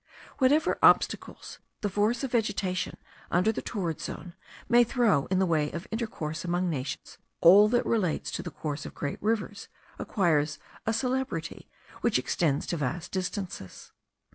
Whatever obstacles the force of vegetation under the torrid zone may throw in the way of intercourse among nations, all that relates to the course of great rivers acquires a celebrity which extends to vast distances.